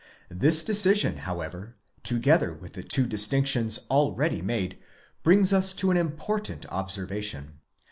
This decision however, together with the two distinctions already made, brings us to an important observation.